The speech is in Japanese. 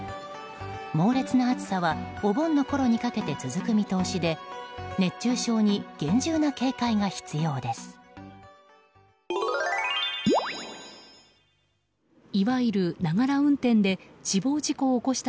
猛烈な暑さはお盆のころにかけて続く見通しで熱中症に厳重な警戒が必要です。